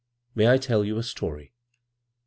May I tell 'ou a story ?